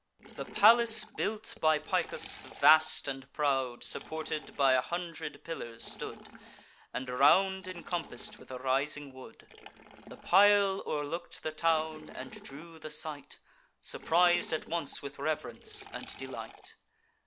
The palace built by Picus, vast and proud, Supported by a hundred pillars stood, And round incompass'd with a rising wood. The pile o'erlook'd the town, and drew the sight; Surpris'd at once with reverence and delight.